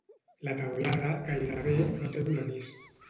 La teulada gairebé no té voladís.